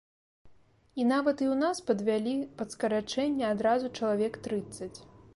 І нават і ў нас падвялі пад скарачэнне адразу чалавек трыццаць.